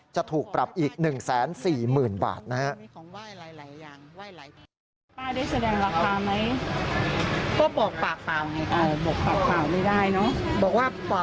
จะถูกปรับอีก๑๔๐๐๐บาทนะครับ